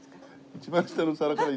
一番下の皿から。